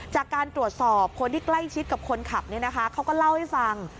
จากการตรวจสอบคนที่ใกล้ชิดกับคนขับเขาก็เล่าให้ฟัง